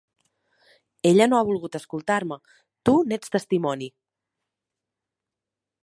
Ella no ha volgut escoltar-me: tu n'ets testimoni.